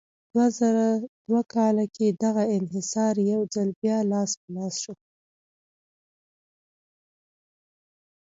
دوه زره دوه کال کې دغه انحصار یو ځل بیا لاس په لاس شو.